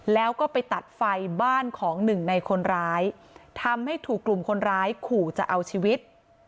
แล้วก็ไปตัดไฟบ้านของหนึ่งในคนร้ายทำให้ถูกกลุ่มคนร้ายขู่จะเอาชีวิต